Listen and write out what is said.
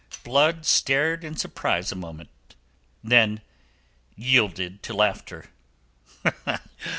Blood stared in surprise a moment; then yielded to laughter.